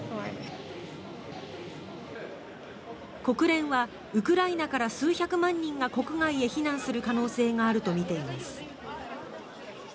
国連はウクライナから数百万人が国外へ避難する可能性があるとみています。